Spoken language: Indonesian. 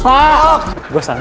tidak ada tugas saya